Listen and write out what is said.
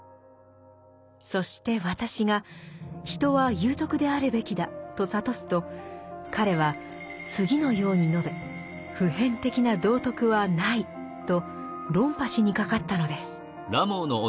そして「私」が「人は有徳であるべきだ」と諭すと彼は次のように述べ「普遍的な道徳はない」と論破しにかかったのです。